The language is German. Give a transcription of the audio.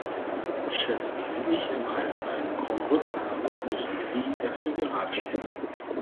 Chef, wenn ich im Alter einen krummen Rücken habe, müssen Sie dafür geradestehen.